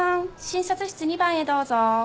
診察室２番へどうぞ。